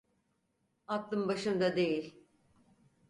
Aklım başımda değil…